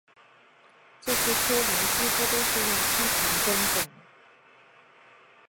这些丘陵几乎都是用梯田耕种